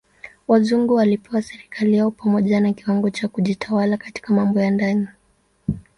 Wazungu walipewa serikali yao pamoja na kiwango cha kujitawala katika mambo ya ndani.